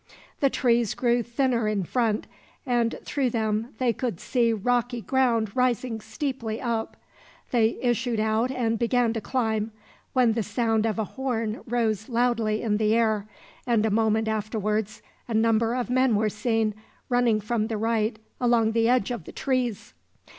The trees grew thinner in front, and through them they could see rocky ground rising steeply up. They issued out and began to climb, when the sound of a horn rose loudly in the air, and a moment afterwards a number of men were seen, running from the right along the edge of the trees.